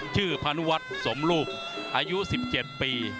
ชื่อพาณุวัตต์สมรูปอายุ๑๗ปี